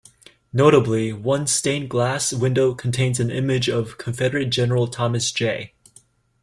Notably, one stained glass window contains an image of Confederate General Thomas J.